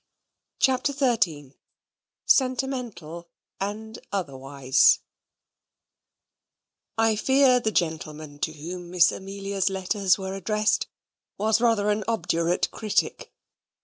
CHAPTER XIII Sentimental and Otherwise I fear the gentleman to whom Miss Amelia's letters were addressed was rather an obdurate critic.